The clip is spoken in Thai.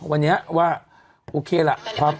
วันนี้ว่าโอเคล่ะ